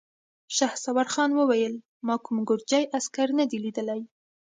شهسوارخان وويل: ما کوم ګرجۍ عسکر نه دی ليدلی!